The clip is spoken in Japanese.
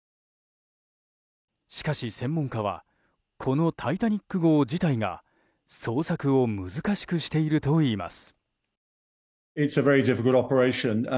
しかし、専門家はこの「タイタニック号」自体が捜索を難しくしているといいます。